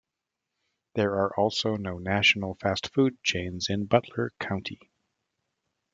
There are also no national fast food chains in Butler county.